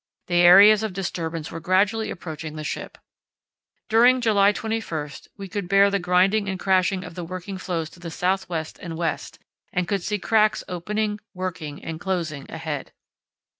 The areas of disturbance were gradually approaching the ship. During July 21 we could bear the grinding and crashing of the working floes to the south west and west and could see cracks opening, working, and closing ahead.